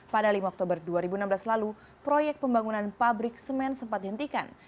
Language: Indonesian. pada lima oktober dua ribu enam belas lalu proyek pembangunan pabrik semen sempat dihentikan